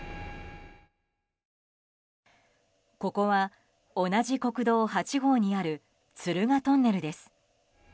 ここは同じ国道８号にある敦賀トンネルです。